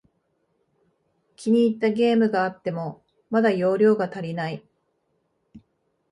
気に入ったゲームがあっても、また容量が足りない